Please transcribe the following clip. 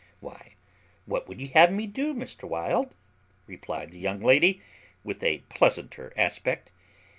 "Why, what would you have me to do, Mr. Wild?" replied the young lady, with a pleasanter aspect.